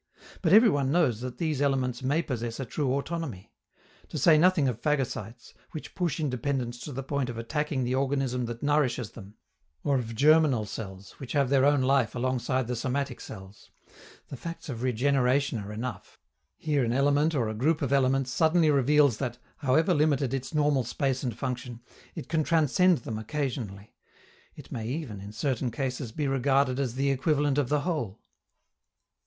But every one knows that these elements may possess a true autonomy. To say nothing of phagocytes, which push independence to the point of attacking the organism that nourishes them, or of germinal cells, which have their own life alongside the somatic cells the facts of regeneration are enough: here an element or a group of elements suddenly reveals that, however limited its normal space and function, it can transcend them occasionally; it may even, in certain cases, be regarded as the equivalent of the whole.